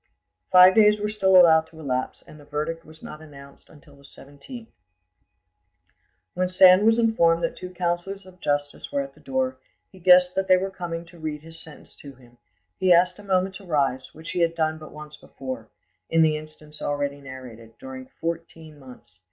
Five days were still allowed to elapse, and the verdict was not announced until the 17th. When Sand was informed that two councillors of justice were at the door, he guessed that they were coming to read his sentence to him; he asked a moment to rise, which he had done but once before, in the instance already narrated, during fourteen months.